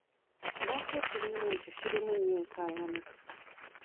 Lwaki ekibiina ekyo kirimu nnyo enkaayana.